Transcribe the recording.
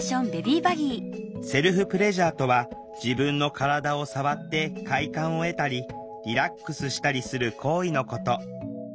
セルフプレジャーとは自分の体を触って快感を得たりリラックスしたりする行為のこと。